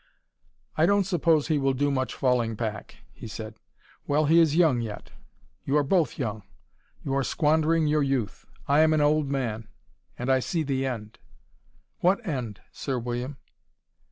"I don't suppose he will do much falling back," he said. "Well, he is young yet. You are both young. You are squandering your youth. I am an old man, and I see the end." "What end, Sir William?"